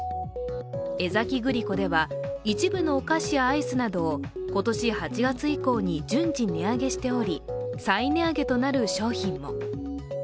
江崎グリコでは一部のお菓子やアイスなどを今年８月以降に順次値上げしており、再値上げとなる商品も。